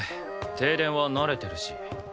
停電は慣れてるし。